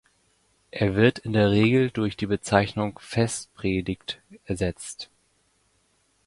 Er wird in der Regel durch die Bezeichnung "Festpredigt" ersetzt.